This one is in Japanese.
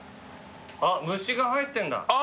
あっ虫が入ってんだ。